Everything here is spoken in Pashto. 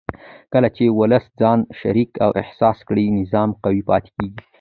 کله چې ولس ځان شریک احساس کړي نظام قوي پاتې کېږي